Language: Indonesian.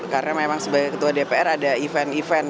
karena memang sebagai ketua dpr ada event event